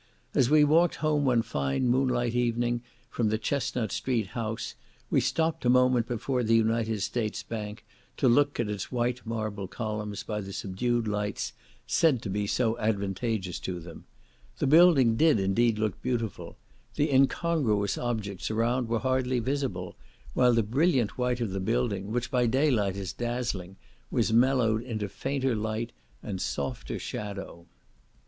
As we walked home one fine moonlight evening from the Chestnut Street house, we stopped a moment before the United States Bank, to look at its white marble columns by the subdued lights said to be so advantageous to them; the building did, indeed, look beautiful; the incongruous objects around were hardly visible, while the brilliant white of the building, which by daylight is dazzling, was mellowed into fainter light and softer shadow.